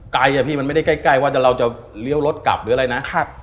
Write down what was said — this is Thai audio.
อะพี่มันไม่ได้ใกล้ว่าเราจะเลี้ยวรถกลับหรืออะไรนะ